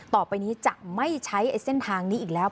ต่อไปนี้จะไม่ใช้เส้นทางนี้อีกแล้ว